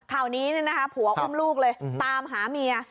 ข่าวนี้นะคะผัวอุ้มลูกเลยตามหาเมีย